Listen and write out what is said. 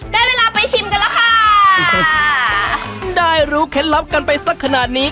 ได้เวลาไปชิมกันแล้วค่ะได้รู้เคล็ดลับกันไปสักขนาดนี้